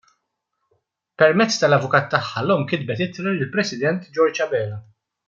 Permezz tal-avukat tagħha l-omm kitbet ittra lill-President George Abela.